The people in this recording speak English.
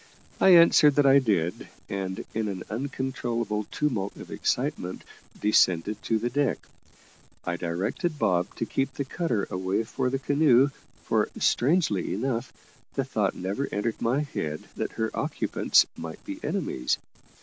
I answered that I did, and, in an uncontrollable tumult of excitement, descended to the deck. I directed Bob to keep the cutter away for the canoe, for, strangely enough, the thought never entered my head that her occupants might be enemies.